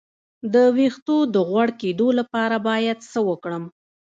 د ویښتو د غوړ کیدو لپاره باید څه وکړم؟